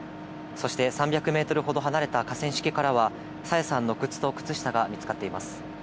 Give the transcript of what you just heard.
そして、３００メートルほど離れた河川敷からは、朝芽さんの靴と靴下が見つかっています。